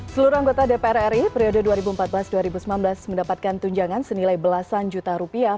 seluruh anggota dpr ri periode dua ribu empat belas dua ribu sembilan belas mendapatkan tunjangan senilai belasan juta rupiah